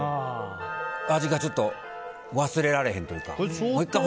味がちょっと忘れられへんというか。